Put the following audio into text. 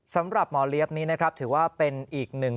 สำหรับหมอเลี้ยบนี้นะครับถือว่าเป็นอีกหนึ่ง